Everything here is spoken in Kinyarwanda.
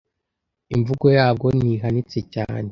Imvugo yabwo ntihanitse cyane